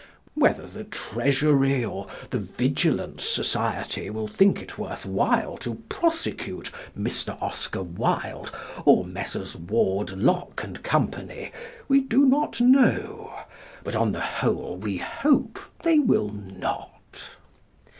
Whether the Treasury or the Vigilance Society will think it worth while to prosecute Mr. Oscar Wilde or Messrs. Ward, Lock and Co., we do not know; but on the whole we hope they will not.